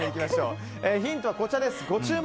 ヒントはこちらです。